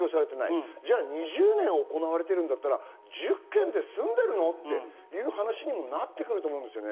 だったら２０年行われているんだったら１０件で済んでいるの？っていう話になってくると思うんですよね。